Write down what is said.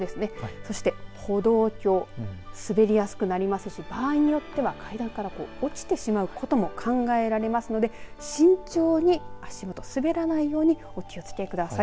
そして歩道橋滑りやすくなりますし場合によっては階段から落ちてしまうことも考えられますので慎重に足元滑らないようにお気をつけください。